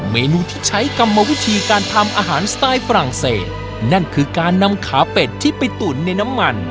เมนูที่ใช้กรรมวิธีการทำอาหารสไตล์ฝรั่งเศสนั่นคือการนำขาเป็ดที่ไปตุ๋นในน้ำมัน